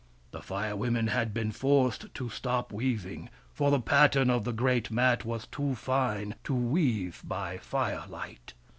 The Fire Women had been forced to stop weaving, for the pattern of the great mat was too fine to weave by firelight.